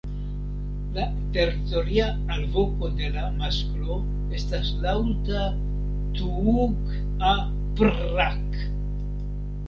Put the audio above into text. La teritoria alvoko de la masklo estas laŭta "tuuk-a-prrak".